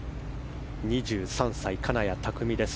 ２３歳、金谷拓実です。